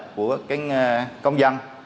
của cái công dân